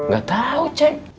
gak tau cek